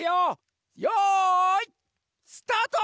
よいスタート！